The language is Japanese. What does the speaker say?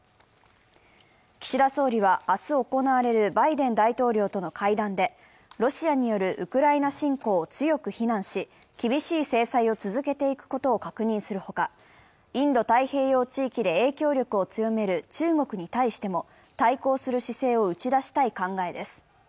岸田総理は、明日行われるバイデン大統領との会談で、ロシアによるウクライナ侵攻を強く非難し厳しい制裁を続けていくことを確認するほか、インド太平洋地域で影響力を強める中国に対しても、対抗する姿勢を打ち出したい考えです。